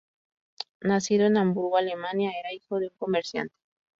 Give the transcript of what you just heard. Nacido en Hamburgo, Alemania, era hijo de un comerciante.